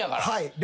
はい。